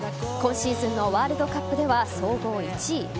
今シーズンのワールドカップでは総合１位。